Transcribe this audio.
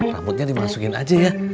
rambutnya dimasukin aja ya